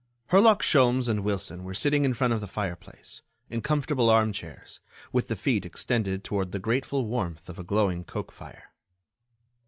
Herlock Sholmes and Wilson were sitting in front of the fireplace, in comfortable armchairs, with the feet extended toward the grateful warmth of a glowing coke fire.